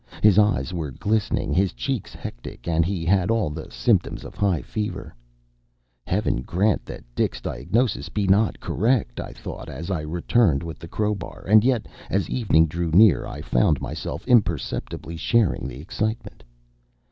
His eyes were glistening, his cheeks hectic, and he had all the symptoms of high fever. “Heaven grant that Dick’s diagnosis be not correct!” I thought, as I returned with the crowbar; and yet, as evening drew near, I found myself imperceptibly sharing the excitement.